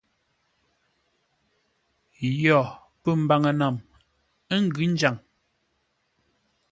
Yo pə̂ mbaŋə-nam, ə́ ngʉ̌ njaŋ.